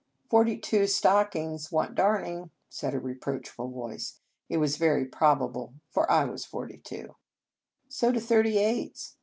" Forty two s stockings want darn ing," said a reproachful voice. It was very probable, for I was forty two. "So do thirty eight s."